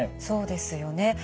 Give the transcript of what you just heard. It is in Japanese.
そうですよね。